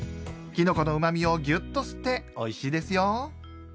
きのこのうまみをギュッと吸っておいしいですよ。